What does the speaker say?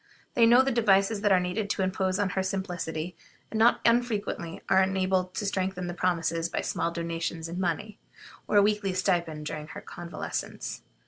They know the devices that are needed to impose on her simplicity, and not unfrequently are enabled to strengthen their promises by small donations in money, or a weekly stipend during her convalescence.